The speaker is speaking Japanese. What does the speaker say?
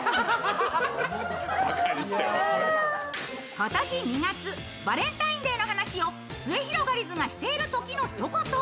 今年２月、バレンタインデーの話をすゑひろがりずがしているときの一言。